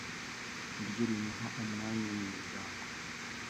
niryo rimuha umwanya mu muryango